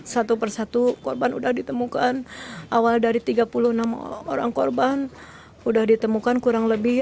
satu persatu korban sudah ditemukan awal dari tiga puluh enam orang korban sudah ditemukan kurang lebih